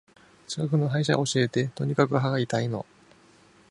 近くの歯医者教えて。とにかく歯が痛いの。